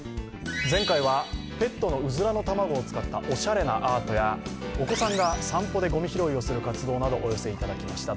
前回はペットのうずらの卵を使ったおしゃれなものやお子さんが、散歩でごみ拾いをする活動などをお寄せいただきました。